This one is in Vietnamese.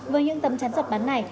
với những tấm chắn giọt bắn này